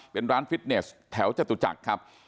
เป็นร้านฟิตเนสแถวจตุจักรครับ